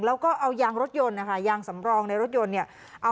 และก็เอายางสำรองในรถยนต์เนี่ย